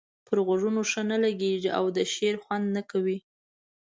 پر غوږونو ښه نه لګيږي او د شعر خوند نه کوي.